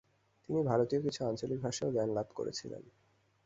তিনি ভারতীয় কিছু আঞ্চলিক ভাষায়ও জ্ঞান লাভ করেছিলেন।